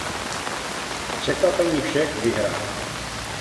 K překvapení všech vyhrál.